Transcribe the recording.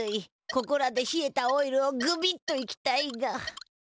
ここらでひえたオイルをぐびっといきたいが。